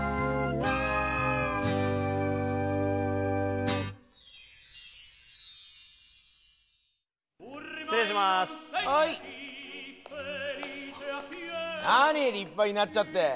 なにりっぱになっちゃって。